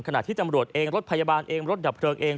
ขณะที่ตำรวจเองรถพยาบาลเองรถดับเพลิงเอง